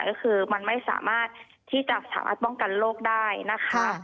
ก็คือมันไม่สามารถที่จะสามารถป้องกันโรคได้นะคะ